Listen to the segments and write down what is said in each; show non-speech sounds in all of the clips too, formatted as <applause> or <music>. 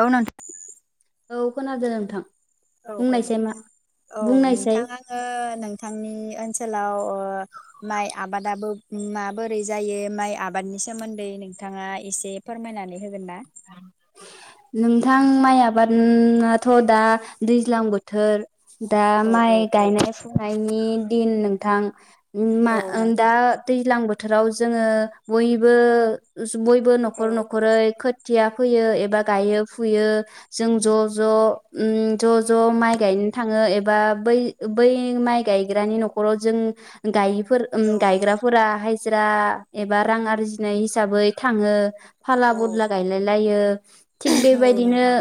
औ नोंथां। औ खोनादो नोंथां। औ औ बुंनायसाय मा औ बुंनायसाय नोंथां आङो नोंथांनि ओनसो सोलाव ओ माइ आबादाबो माबोरै जायो माइ आबादनि सोमोन्दै नोंथाङा एसे फोरमायनानै होगोन ना? नोंथां माइ आबाद नाथ' दा दैज्लां बोथोर दा औ माइ औ औ गायनाय सम माइनि दिन नोंथां उम मा औ नोंथां दा दैज्लां बो थोराव जोङो बयबो बयबो औ नखर औ नखरै खो थिया फैयो एबा गायो फुयो जों ज' ज' ओम ज' ज' माइ गायनो थाङो एबा बै बै माइ गायग्रानि नखराव जों गाय फोर ओम औ गायग्राफोराहाय हाजिरा एबा रां आरजिनाय हिसाबै थाङो फाला औ बदला गायलाय लायो थिक औ बेबायदिनो नोंथां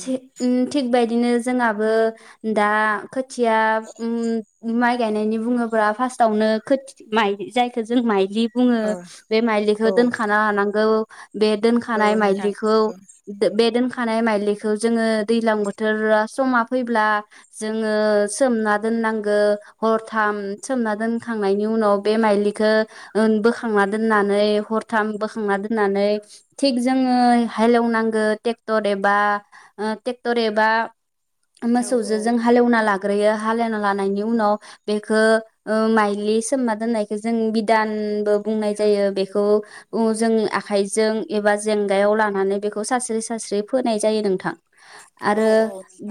थि ओ थिक बिदिनो जोंहाबो दा खो थिया ओम माइ गायनायनि बुङोबा फार्स्थावनो खोथि माइ जायखो जों माइलि बुङो बे माइलिखौ औ दोनखाना लानांगौ बे दो औ दोनखानाय माइलिखौ नोंथां बे दोनखानाय माइलिखौ जोङो दैज्लां बोथोर समा फैब्ला जोङो सोमना दोननांगो हरथाम सोमना दोनखांनायनि उनाव बे माइलिखौ बोखांना ओ दोननानै हरथाम बोखांना दोननानै थिग जोङो हालेवनांगौ ट्रेक्टर एबा ट्रेक्टर एबा औ मोसौजो औ जों हालेवना लाग ग्रोयो हालेवना लानायनि उनाव बेखौ माइलि सोमा दोननायखौ जों बिदानबो बुंनाय जायो बेखौ जों आखाइजों एबा जेंगायाव लानानै बेखौ सास्रि सस्रियै फोनाय जायो नोंथां। औ आरो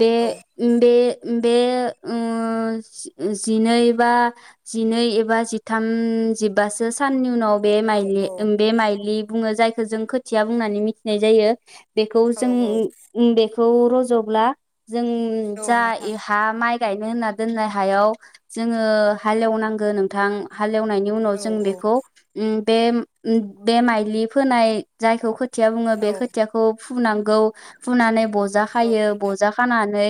बे औ बे बे ओ जिनै बा जिनै एबा जिथाम जिबासो साननि उनाव बे औ माइलि औ बे माइलि बुंनाय जाय जों खोथिया बुंनानै मिथिनाय जायो। बेखौ औ जों उम बेखौ र'जब्ला जों औ जा नोंथां हा माइ गायनो होनना दोननाय हायाव जोङो हालेवनांगो नोंथां। हालेवनायनि उनाव औ जों औ बेखौ उम बे बे माइलि फोनाय जायखौ खो खोथिया बुङो बे औ खोथियाखौ फुनांगौ फुनानै बजा औ खायो नोंथां बजा खानानै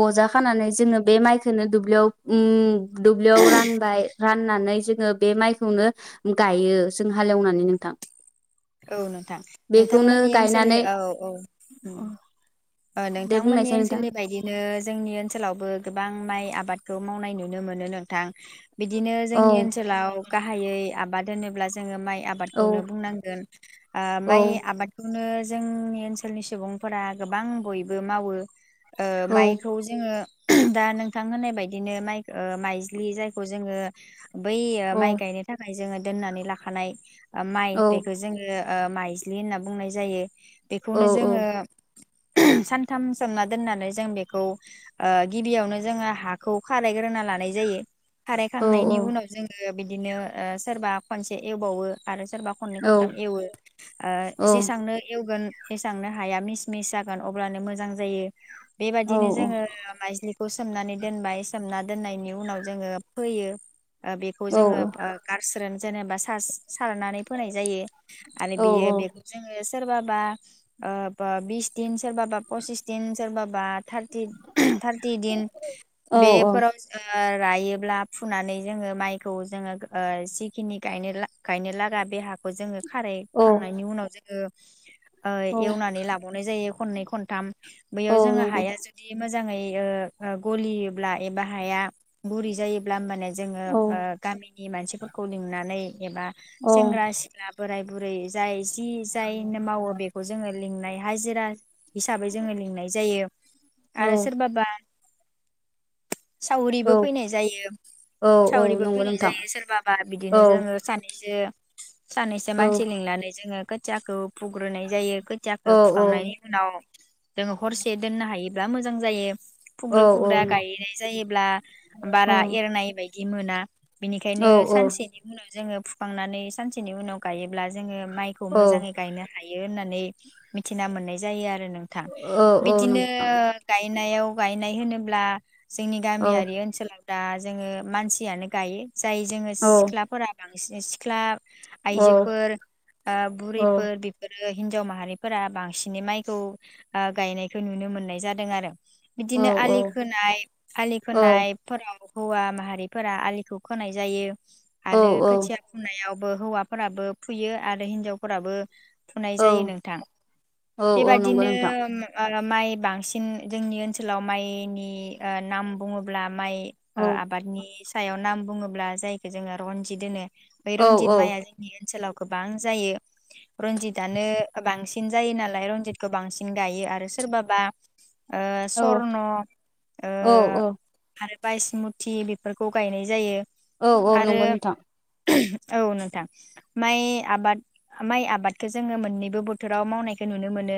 बजा खानानै जोङो बे माइखौनो दुब्लियाव उम दुब्लियाव रानबाय रान राननानै जोङो बे माइखौनो गायो जों हालेवनानै नोंथां। औ नोंथां बेखौनो नोंथांमोननि ओनसोलनि गायनानै औ औ दे नोंथांमोननि बुंनायसाय नोंथां ओनसोलनि बायदिनो जोंनि ओनसोलावबो गोबां माइ आबादखौ मावनाय नुनो मोनो नोंथां। बिदिनो औ जोंनि ओनसोलाव गाहायै आबाद। होनोब्ला जोङो माइ औ आबादखौनो बुंनांगोन। आ औ माइ आबादखौ नो जोंनि ओनसोलनि सुबुंफोरा गोबां बयबो मावो। ओ औ माइखौ जोङो दा नोंथां होननाय बायदिनो माइ माइज्लि जायखौ जोङो बै औ माइ गायनो थाखाय जोङो दोननानै लाखानाय ओ माइ औ बेखौ जोङो ओ माइज्लि होनना बुंनाय जायो। बेखौनो जोङो औ सानथाम सोमना दोननानै जों बेखौ ओ गिबियावनो जोङो हाखौ खारायग्रोना लानाय जायो। औ खारायखांनायनि उनाव जोङो बिदिनो ओ सोरबा खनसे एवबावो। आरो सोरबा खन्नै औ खन थाम एवो ओ जेसांनो एवगोन एसांनो हाया मिस मिस जागोन अब्लानो मोजां जायो। औ बेबायदिनो जोङो माइज्लि खौ सोमनानै दोनबाय सोमना दोननायनि उनाव जोङो फोयो। ओ बेखौ औ जोङो ब्रा गारस्रोन जेनेबा सारस सारनानै फोनाय जायो। आरो बेयो बेखौ जोङो। सोरबाबा ओ बा बिस दिन सोरबाबा पसिस दिन सोरबाबा थार्टि थार्टि दिन औ बेफोराव ओ रायोब्ला फुनानै जोङो माइखौ जोङो ओ जिखिनि गायनो लाग गायनो लागा बे हाखौ जोङो औ खारायखांनायनि उनाव जोङो ओ औ एवनानै लाबावनाय जायो। खननै खनथाम। बैयाव औ जोङो नंगौ हाया जुदि मोजां जाङै ओ-ओ गलियोब्ला एबा हाया गुरै जायोब्ला माने जोङो औ ओ गामिनि मानसिफोरखौ लिंनानै एबा औ सेंग्रा सिख्ला बोराय बुरै जाय जि जायनो मावो बेखौ जोङो लिंनाय हाजिरा हिसाबै जोङो लिंनाय जायो। औ आरो सोरबाबा सावरिबो औ फैनाय जायो औ औ सावरिबो नंगौ फैनाय नोंथां जायो सोरबाबा औ बिदिनो जोङो सानैजों सानैसो औ मानसि लिंनानै जोङो खोथियाखौ फुग्रोनाय जायो औ खोथियाखो फुखांनायनि उनाव जोङो हरसे दोननो हायो बा मोजां जायो औ फुग्रो फुग्रा गायनाय जायोब्ला औ बारा एरनाय बाय दि मोना औ बिनिखायनो औ नं सानसेनि उनाव जोङो फुखांनानै सानसे बिनि उनाव गायो ब्ला जोङो माइखौ औ मोजाङै गायनो हायो होननानै मिथिना मोननाय जायो आरो नोंथां औ औ बिदिनो गाय नायाव गायनाय होनोब्ला जोंनि गामियारि ओनसोल दा जोङो मानसियानो गायो जाय जोङो सिख्लाफोरा बां नोंसिनि सिख्ला आइजोफोर ओ बुरैफोर बेफोर रो हिनजाव माहारिफोरा बांसिनै माइखौ ओ गायनायखौ नुनो मोननाय जादों आरो बिदिनो औ आलि खोनाय आलि खोनायफोराव हौवा माहारिफोरा आलिखौ खोनाय जायो आरो औ खोथिया फुनायाव बो हौवाफोराबो फुयो आरो हिनजावफोराबो फुनाय जायो नोंथां औ औ नंगौ बेबादिनो नोंथां उम आ माइ बांसिन जोंनि ओनसोलाव माइनि ओ नाम बुङोब्ला माइ औ ओ आबादनि सायाव नाम बुङोब्ला जायखौ जोङो रनजिद होनो औ रनजिद माया जोंनि ओनसोलाव गोबां जायो रनजिदानो बांसिन जायो नालाय रनजिदखौ बांसिन गायो आरो सोरबाबा ओ औ स्वर्न ओ औ आरो बायसमुथि बेफोरखौ गायनाय जायो औ औ आरो नंगौ नोंथां। <unintelligible> औ नोंथां माइ आबाद माइ आबादखौ जोङो मोननैबो बोथोराव मावनायखौ नुनो मोनो।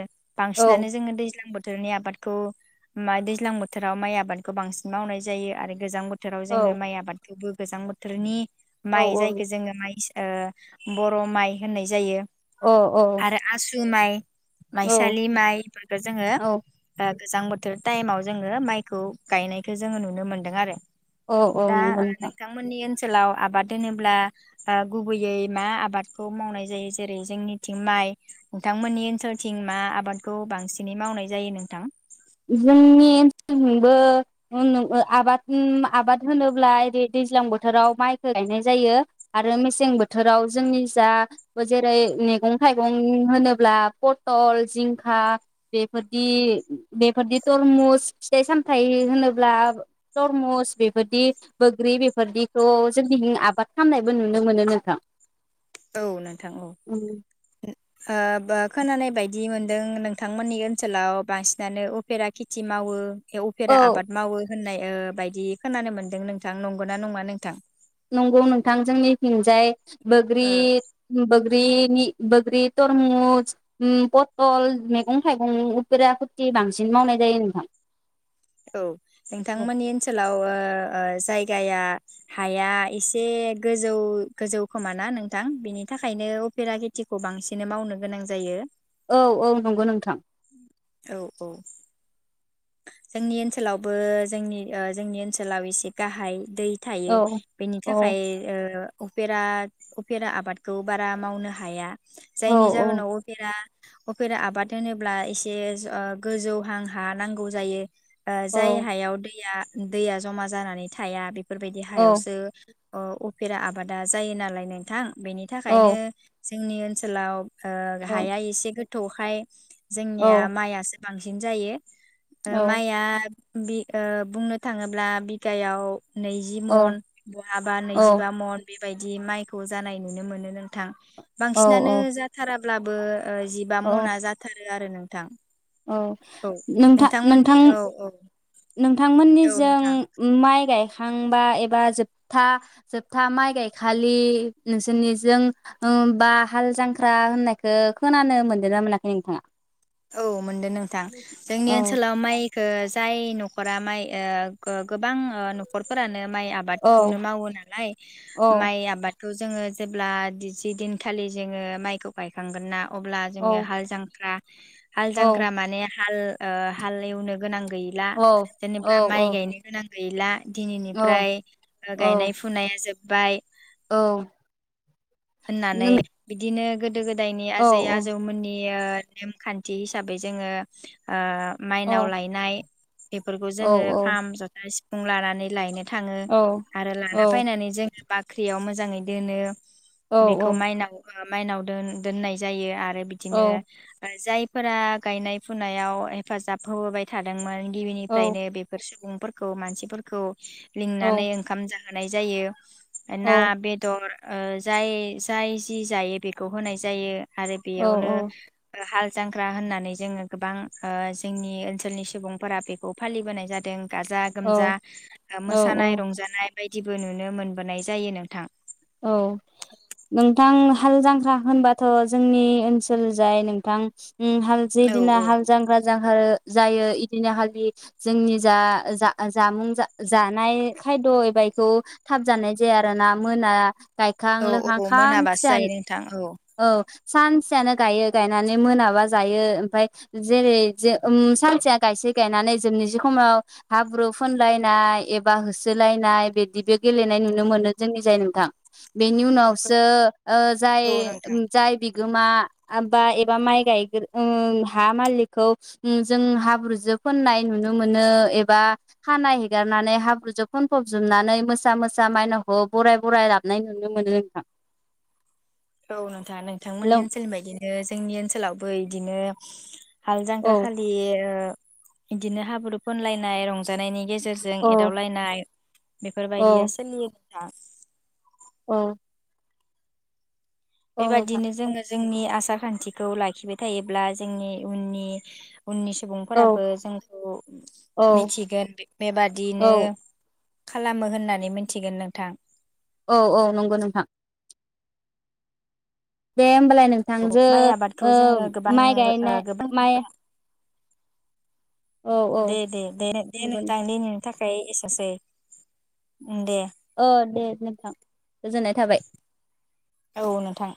औ बांसिनानो जोङो दैज्लां बोथ बोथोरनि आबादखौ मा दैज्लां बोथोराव माइ आबादखौ बांसिन मावनाय जायो आरो गोजां बोथ बोथोराव औ जोङो माइ आबादखौबो गोजां बोथोरनि औ माइ औ जायखौ ओ माइसा बर' माइ होननाय जायो। अ अ जुमाइ माइसालि माइफोरखौ जोङो ओ गोजां बोथोर टाइमाव जोङो माइखौ गायनायखौ जोङो नुनो मोन्दों आरो। औ औ दा नंगौ नोंथां नोंथांमोननि ओनसो सोलाव आबाद दोनोब्ला ओ गुबैयै मा आबादखौ मावनाय जायो जेरै जोंनिथिं माइ नोंथांमोननि ओनसोलथिं मा आबादखौ बांसिनै मावनाय जायो नोंथां? जोंनि ओनसोलथिंबो उनु ओ आबाद उम आबाद होनोब्ला एरै दैज्लां बोथोराव माइखो गायनाय जायो आरो मेसें बोथोराव जोंनि जा जेरै मैगं थाइगं होनोब्ला पथल जिंखा बेफोरदि बेफोरदि तरमुस फिथाइ सामथाय होनोब्ला तरमुस बेफोरदि बोग्रि बेफोरदिखौ जोंनिथिं आबाद खामनायबो नुनो मोनो नोंथां। औ नोंथां औ। ओ बो खोनानाय बायदि मोनदों नोंथांमोननि ओनसोलाव बांसिनानो उफेरा खेथि मावो। ए उफेरा औ आबाद मावो। होननाय ओ बायदि खोनानो मोनदों नोंथां नंगौना नङा नोंथां? नंगौ नोंथां जोंनि थिंजाय बोग्रि ओ बो ग्रिनि बोग्रि तरमुस उम पथल मेगं थाइगं उफेरा खुरथि बांसिन मावनाय जायो नोंथां। औ नोंथांमोननि ओनसोलाव ओ ओ जायगाया हाया एसे गोजौ गोजौ खोमाना नोंथां बेनि थाखायनो उफेरा खेथिखौ बांसिनै मावनो गोनां जायो। औ औ नंगौ नोंथां। औ औ जोंनि ओनसोलावबो जोंनि ओ जोंनि ओनसोलाव एसे गाहाय। दै थायो औ बेनि औ थाखाय ओ उफेरा उफेरा आबादखौ बारा मावनो हाया। औ जायनि जाहोनाव उफेरा उफेरा आबाद होनोब्ला एसे ओ गोजौहां हा नांगौ जायो ओ औ जाय हायाव दैया दैया जमा जानानै थाया बे फोरबायदि हायावसो अ' उफेरा आबादा जायो नालाय नोंथां। बेनि औ थाखायनो जोंनि ओनसोलाव ओ हाया एसे गो थौखाय औ जोंनिया माइआसो बांसिन जायो। ओ औ माइआ बि ओ बुंनो थाङोब्ला बिगायाव नैजि मन बहाबा नैजिबा मन बेबायदि माइखौ जानाय नुनो मोनो नोंथां। औ बांसिनानो औ जाथारा अब्लाबो ओ जिबा औ मना जाथारो आरो नोंथां। औ औ नों नोंथांमोननि औ औ। नोंथांमोननि औ नोंथां जों माइ गाय खांबा एबा जोबथा जोबथा माइ गायखालि नोंसोरनिजों बा हाल जांख्रा होननायखौ खोनानो मोनदों ना मोनाखै नोंथाङा? औ मोनदो नोंथां जोंनि औ ओनसोलाव माइखो जाय नखरा माइ ओ गोबां नखरफोरानो माइ औ आबादखौनो मावो नालाय औ माइ आबाद थ जोङो जेब्ला जि दिनखालि जोङो माइखौ गायखांगोन ना अब्ला औ जोङो हाल जांख्रा हाल औ जांख्रा माने हाल ओ हाल एवनो गोनां गैला औ जेनेबा माइ गायनो गोनां गैला। औ दिनैनिफ्राय गायनाय फुनाया जोब बाय औ। होननानै नों बिदिनो गोदो गोदायनि औ आजै औ आजौमोननि इयो नेमखान्थि हिसाबै जोंङो ओ औ माइनाव लायनाय बेफोरखौ औ जोंङो खाम, जथा सि फुं लानानै लायनो थाङो औ आरो औ लाना फैनानै जोंनि बाख ख्रियाव मोजाङै दोनो। औ बेखौ औ माइनाव माइनाव दोन-दोननाय जायो आरो बिदिनो ओ जाय फोरा गायनाय फुनायाव हेफाजाब होबोबाय थादोंमोन गिबिनिफ्रायनो बेफोर सुबुं फोरखौ मानसिफोरखौ लिंनानै ओंखाम जा होनाय जायो। ना, बेदर ओ जाय जाय जि जायो बेखौ होनाय जायो। आरो बेयावनो हाल जांख्रा होननानै जोंङो गोबां ओ जोंनि ओन्सोलनि सुबुंफोरा बेखौ फालिबोनाय जादों। गाजा गोमजा ओ औ मोसानाय औ रंजानाय बायदिबो नुनो मोनबोनाय जायो नोंथां। औ नों थां हाल जांख्रा होनबाथ जोंनि ओन्सोल जाय नोंथां उम हाल जे औ दिना औ हाल जांख्रा जाहारो जायो इदिना खालि जोंनि जा-जा-जामुं जा-जानाय खायद' एबा इखौ थाब जानाय जाया आरो ना मोना गायखां औ लोखां औ मोनाबासो जायो खानसेयान नोंथां औ सानसेयानो गायो गायनानै मोनाबा जायो ओमफाय जेरै जे ओम सानसेया गायसे गायनानै जोबनोसै समाव हाब्रु फोनलायनाय एबा होसोलायनाय बिदि बे गेलेनाय नुनो मोनो जोंनि जाय नोंथां। बेनि उनावसो ओ जाय औ नोंथां जाय बिगो मा आबा एबा माय गायगोर उम हा मालिखखौ उम जों हाब्रुजों फुननाय नुनोमोनो एबा खानाय हेगारनानै हाब्रुजों फुनफजोबनानै मोसा मोसा मायनावखौ बराय बराय ला बनाय नुनो मोनो नोंथां। औ नोंथा हेलौ नोंथांमोननि ओनसोलनि बायदिनो ओ जोंनि ओन्सोलावबो इदिनो हाल जांग्रा औ खालि ओ बिदिनो हाब्रु फोनलायनाय रंजानायनि गे जेरजों अ एदावलायनाय बेफोरबायदिया औ सोलियो हा औ औ नोंथां बेबादिनो जोङो जोंनि आसार खान्थिखौ लाखिबाय थायोब्ला जोंनि उननि उननि औ सुबुंफोराबो जोंखौ औ मिथिगोन बे-बेबादिनो औ खालामो होननानै मिनथिगोन नोंथां। औ औ नंगौ नोंथा दे ओमबालाय नोंथांजो माइ आबादखौ ओ जोङो गोबां माइ ओ गायनाय गोबां माइ औ औ ओम दे दे दे दे नंगौ नोथां नोंथां दिनैनि था <unintelligible> ओम दे ओ दे नोंथां गोजोननाय थाबाय। औ नोंथां